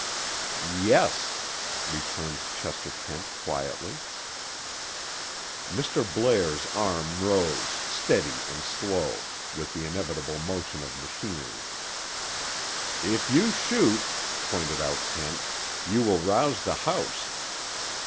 "Yes," returned Chester Kent quietly. Mr. Blair's arm rose, steady and slow, with the inevitable motion of machinery. "If you shoot," pointed out Kent, "you will rouse the house.